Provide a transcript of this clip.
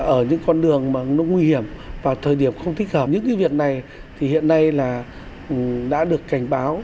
ở những con đường nguy hiểm và thời điểm không thích hợp những việc này hiện nay đã được cảnh báo